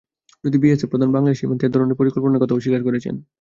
যদিও বিএসএফ প্রধান বাংলাদেশ সীমান্তে এ ধরনের পরিকল্পনার কথা অস্বীকার করেছেন।